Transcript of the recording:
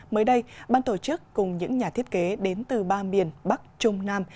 mới đây ban tổ chức cùng những nhà thiết kế đến từ ba miền bắc trung nam